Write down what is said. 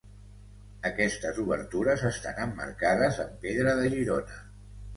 Aquestes obertures estan emmarcades amb pedra de Girona.